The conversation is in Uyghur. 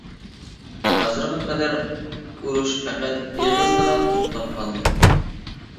ھازىرغا قەدەر، ئۇرۇش پەقەت ئېغىزدىلا توختاپ قالدى.